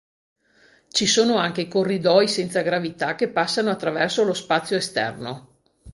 Ci sono anche corridoi senza gravità che passano attraverso lo spazio esterno.